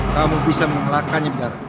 kamu bisa mengalahkannya bidara